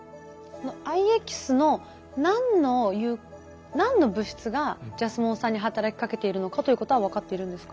藍エキスの何の何の物質がジャスモン酸に働きかけているのかということは分かっているんですか？